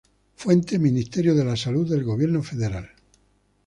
Fuente: Ministerio de la Salud del Gobierno Federal.